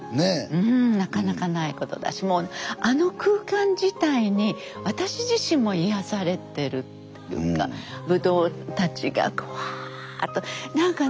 うんなかなかないことだしもうあの空間自体に私自身も癒やされてるというかぶどうたちがこうワーッと何かね